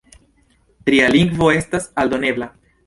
Tria lingvo estas aldonebla.